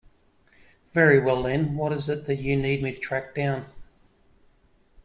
Very well then, what is it that you need me to track down?